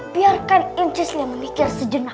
biarkan inces lia memikir sejenak